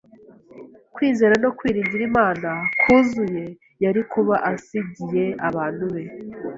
kwizera no kwiringira Imana kuzuye yari kuba asigiye abantu be.